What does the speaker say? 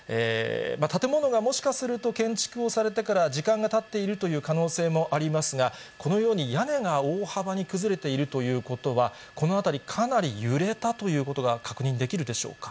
建物がもしかすると建築をされてから時間がたっているという可能性もありますが、このように屋根が大幅に崩れているということは、この辺り、かなり揺れたということが確認できるでしょうか。